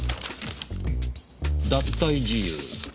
脱退事由。